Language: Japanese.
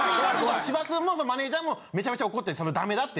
芝君もマネジャーもめちゃめちゃ怒ってダメだって。